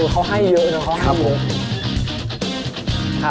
เขาให้เยอะนะเขา